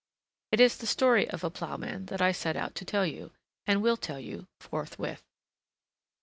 It is the story of a ploughman that I set out to tell you, and will tell you forthwith.